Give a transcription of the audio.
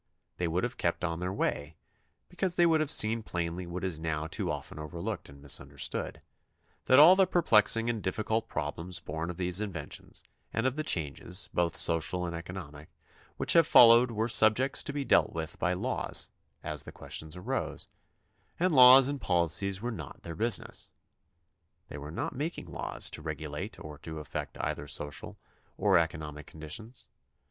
They would have kept on their way, because they would have seen plainly what is now too often overlooked and misunderstood, that all the perplexing and difficult problems born of these inventions and of the changes, both social and economic, which have followed were subjects to be dealt with by laws as the questions arose, and laws and policies were not their business. They were not making laws to regulate or to affect either social or economic conditions.